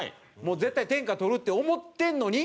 絶対天下取るって思ってんのに？